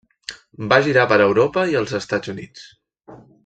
Va girar per Europa i els Estats Units.